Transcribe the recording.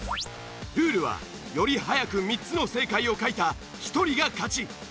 ルールはより早く３つの正解を書いた１人が勝ち。